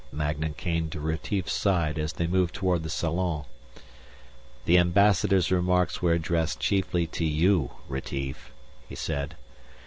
Magnan came to Retief's side as they moved toward the salon. "The Ambassador's remarks were addressed chiefly to you, Retief," he said.